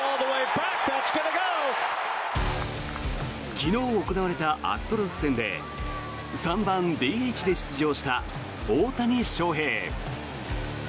昨日行われたアストロズ戦で３番ＤＨで出場した大谷翔平。